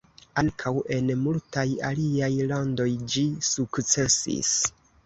Ankaŭ en multaj aliaj landoj ĝi sukcesis.